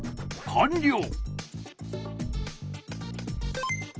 かんりょう！